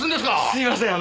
すいません